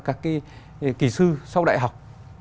các kỹ sư sau đại học